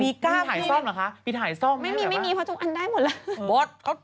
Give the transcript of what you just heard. มีกล้าพี่มั้ยไม่มีเพราะทุกอันได้หมดแล้ว